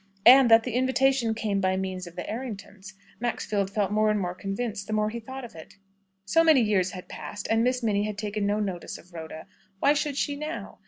And that the invitation came by means of the Erringtons, Maxfield felt more and more convinced, the more he thought of it. So many years had passed, and Miss Minnie had taken no notice of Rhoda. Why should she now?